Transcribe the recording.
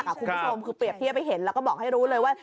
คุณผู้ชมคือเปรียบเทียบให้เห็นแล้วก็บอกให้รู้เลยว่า